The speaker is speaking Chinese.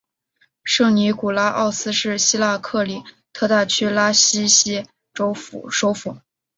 圣尼古拉奥斯是希腊克里特大区拉西锡州首府。